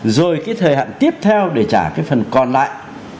rồi cái thời hạn tiếp theo để trả cái phần còn lại